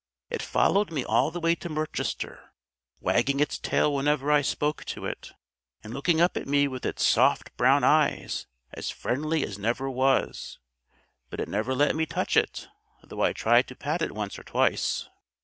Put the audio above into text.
It followed me all the way to Merchester, wagging its tail whenever I spoke to it, and looking up at me with its soft brown eyes as friendly as never was; but it never let me touch it, though I tried to pat it once or twice."